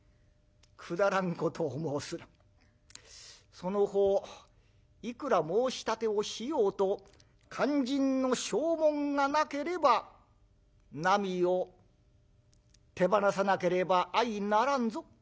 そのほういくら申し立てをしようと肝心の証文がなければなみを手放さなければ相成らんぞ。